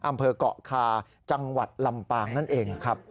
อำเภอกเกาะคาจังหวัดลำปางนั่นเองครับ